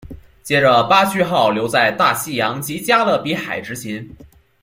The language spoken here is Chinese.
接着巴区号留在大西洋及加勒比海执勤。